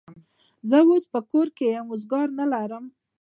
زه اوس په کور یمه، روزګار نه لرم.